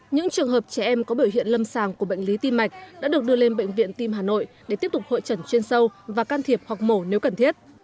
những trường hợp trẻ em có biểu hiện lâm sàng của bệnh lý tim mạch đã được đưa lên bệnh viện tim hà nội để tiếp tục hội trần chuyên sâu và can thiệp hoặc mổ nếu cần thiết